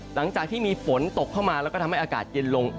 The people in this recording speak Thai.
หลังจากที่มีฝนตกเข้ามาแล้วก็ทำให้อากาศเย็นลง